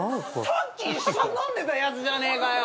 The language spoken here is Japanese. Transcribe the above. さっき一緒に飲んでたやつじゃねえかよ！